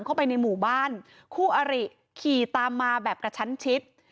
เข้าไปในหมู่บ้านคู่อริขี่ตามมาแบบกระชั้นชิด